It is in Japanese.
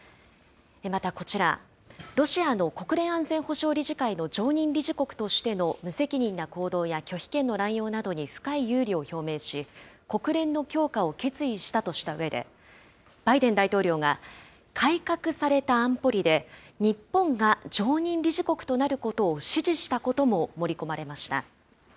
またこちら、ロシアの国連安全保障理事会の常任理事国としての無責任な行動や拒否権の乱用などに深い憂慮を表明し、国連の強化を決意したとしたうえで、バイデン大統領が、改革された安保理で、日本が常任理事国となることを支持したことも盛り込まれました。